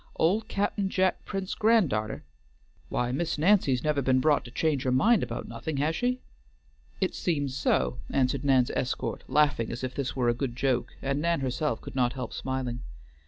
"Old Cap'n Jack Prince's grand darter? Why Miss Nancy's never been brought to change her mind about nothing, has she?" "It seems so," answered Nan's escort, laughing as if this were a good joke; and Nan herself could not help smiling.